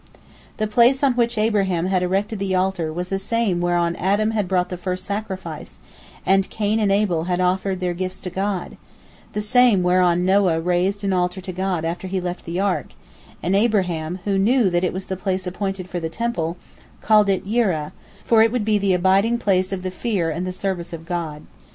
" The place on which Abraham had erected the altar was the same whereon Adam had brought the first sacrifice, and Cain and Abel had offered their gifts to God—the same whereon Noah raised an altar to God after he left the ark; and Abraham, who knew that it was the place appointed for the Temple, called it Yireh, for it would be the abiding place of the fear and the service of God.